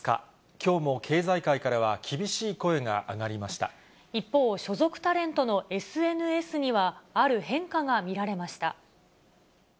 きょうも経済界からは厳しい声が一方、所属タレントのＳＮＳには、ある変化が見られました。